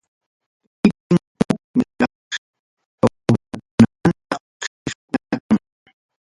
Kaypim hukniraq kawsakunamanta qillqakuna kan.